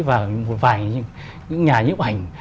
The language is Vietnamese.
và một vài những nhà nhiễu ảnh